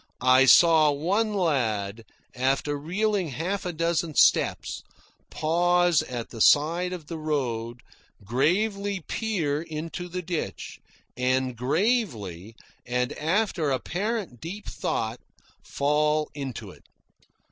I saw one lad, after reeling half a dozen steps, pause at the side of the road, gravely peer into the ditch, and gravely, and after apparent deep thought, fall into it.